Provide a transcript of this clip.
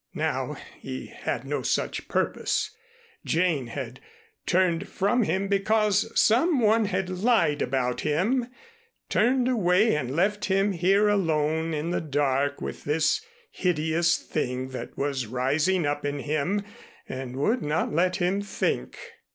Now he had no such purpose. Jane had turned from him because some one had lied about him, turned away and left him here alone in the dark with this hideous thing that was rising up in him and would not let him think.